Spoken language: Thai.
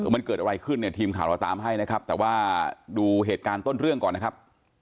มันเกิดอะไรขึ้นเนี่ยทีมข่าวเราตามให้นะครับแต่ว่าดูเหตุการณ์ต้นเรื่องก่อนนะครับ